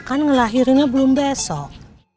kan ngelahirinnya belum besok